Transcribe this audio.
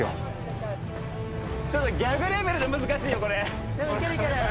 ちょっとギャグレベルで難しいよこれ。